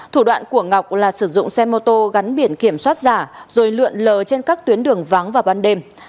thủ đoạn của ngọc là sử dụng xe mô tô gắn biển kiểm soát giả rồi lượn lờ trên các tuyến đường vắng vào ban đêm